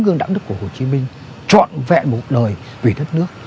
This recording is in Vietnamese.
con đi prime trọn vẹn một đời về đất nước